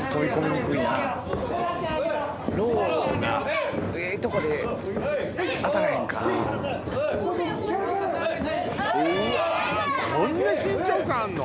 うわこんな身長差あんの？